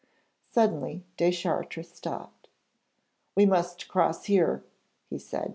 Suddenly Deschartres stopped. 'We must cross here,' he said.